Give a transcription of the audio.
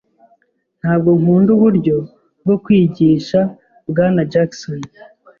Ntabwo nkunda uburyo bwo kwigisha bwana Jackson.